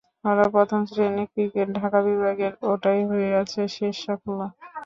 ঘরোয়া প্রথম শ্রেণীর ক্রিকেটে ঢাকা বিভাগের ওটাই হয়ে আছে শেষ সাফল্য।